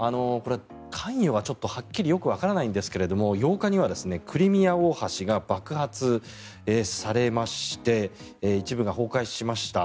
関与がはっきりわからないんですが８日にはクリミア大橋が爆発されまして一部が崩壊しました。